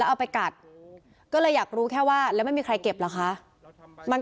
เอาไปกัดก็เลยอยากรู้แค่ว่าแล้วไม่มีใครเก็บเหรอคะมัน